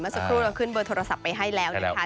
สักครู่เราขึ้นเบอร์โทรศัพท์ไปให้แล้วนะคะ